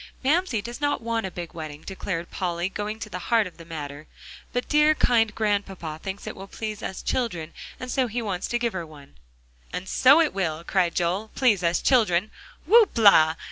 "Mamsie does not want a big wedding," declared Polly, going to the heart of the matter, "but dear kind Grandpapa thinks it will please us children, and so he wants to give her one." "And so it will," cried Joel, "please us children. Whoop la!